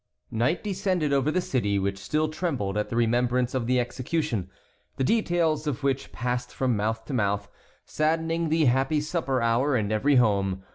Night descended over the city, which still trembled at the remembrance of the execution, the details of which passed from mouth to mouth, saddening the happy supper hour in every home.